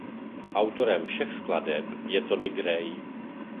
Autorem všech skladeb je Tony Grey.